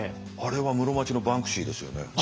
あれは室町のバンクシーですよね。